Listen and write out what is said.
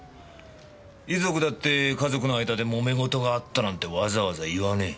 遺族だって家族の間で揉め事があったなんてわざわざ言わねえ。